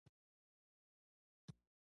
ولې نور پر مخ لاړل